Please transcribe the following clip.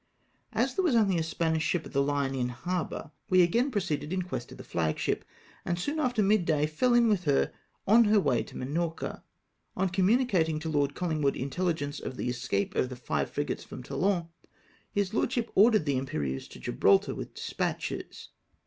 As there was only a Spanish ship of the hue in harbour, we again proceeded in quest of the flag ship, and soon after midday fell in with her on her way to Minorca. On communicating to Lord CoUingwood inteUigence of the escape of the five frigates from Toulon, his lordship ordered the Impe rieuse to Gibraltar with despatches.